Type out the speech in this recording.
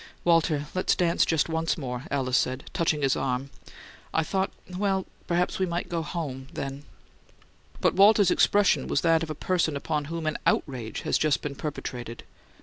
"Walter, let's dance just once more," Alice said, touching his arm placatively. "I thought well, perhaps we might go home then." But Walter's expression was that of a person upon whom an outrage has just been perpetrated.